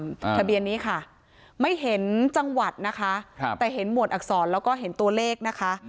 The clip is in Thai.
ทะเบียนนี้ค่ะไม่เห็นจังหวัดนะคะครับแต่เห็นหวดอักษรแล้วก็เห็นตัวเลขนะคะ